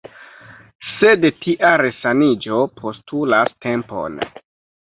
Sed tia resaniĝo postulas tempon.